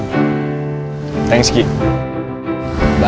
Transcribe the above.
walaupun itu harus ngelawan mereka semua